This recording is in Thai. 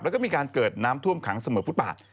แล้วก็มีการเกิดน้ำท่วมขังเสมอฟุตบาท